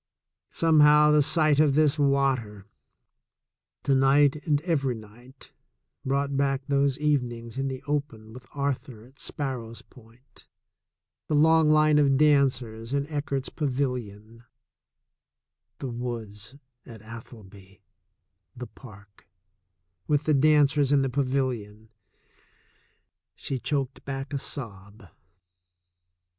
Somehow the sight of this water, to night and every night, brought back those evenings in the open with Arthur at Sparrows Point, the long line of dancers in Eckert's Pa vilion, the woods at Atholby, the park, with the danc ers in the pavilion — ^he choked back a sob.